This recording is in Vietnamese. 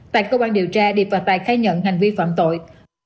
tại công an điều tra điệp và tài khai nhận hành vi phạm tội